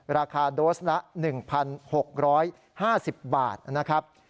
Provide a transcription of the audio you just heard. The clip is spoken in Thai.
ราคาโดสละ๑๖๕๐บาทนะครับ